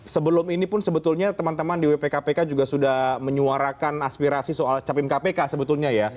sebelum ini pun sebetulnya teman teman di wp kpk juga sudah menyuarakan aspirasi soal capim kpk sebetulnya ya